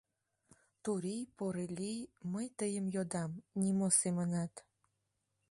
Турий, порылий, мый тыйым йодам, нимо семынат.